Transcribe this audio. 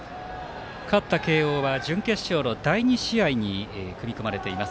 勝った慶応は準決勝の第２試合に組み込まれています。